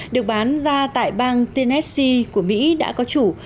được bán ra tại bang tennessia của mỹ đã có chủ